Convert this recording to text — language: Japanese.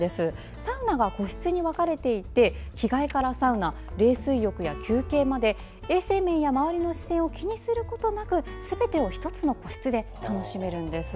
サウナが個室に分かれていて着替えからサウナ冷水浴や休憩まで衛生面や周りの視線を気にすることなくすべてを１つの個室で楽しめます。